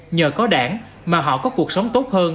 nhờ có đảng mà họ có cuộc sống tốt hơn